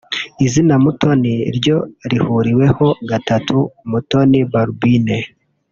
izina Mutoni ryo rihuriweho gatatu; Mutoni Balbine